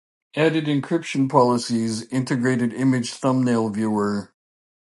Added encryption policies, integrated image thumbnail viewer.